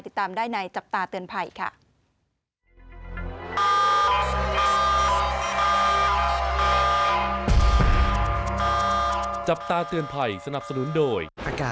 ติดตามได้ในจับตาเตือนภัยค่ะ